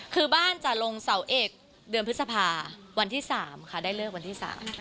คือบ้านจะลงเสาเอกเดือนพฤษภาวันที่๓ค่ะได้เลิกวันที่๓